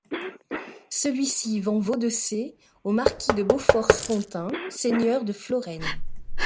Celui-ci vend Vodecée au marquis de Beaufort-Spontin, seigneur de Florennes.